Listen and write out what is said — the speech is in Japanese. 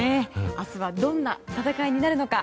明日はどんな対決になるのか。